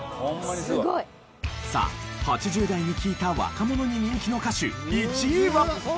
さあ８０代に聞いた若者に人気の歌手１位は。